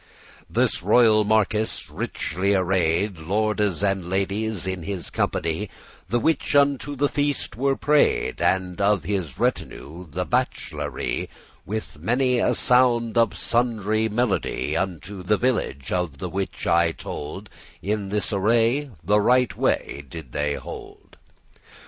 This royal marquis, richely array'd, Lordes and ladies in his company, The which unto the feaste were pray'd, And of his retinue the bach'lery, With many a sound of sundry melody, Unto the village, of the which I told, In this array the right way did they hold.